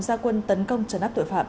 gia quân tấn công trần áp tội phạm